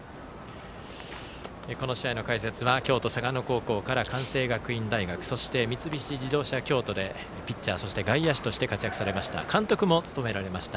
この試合の解説は京都・嵯峨野高校から関西学院大学そして三菱自動車京都でピッチャー、そして外野手として活躍されて監督も務められました。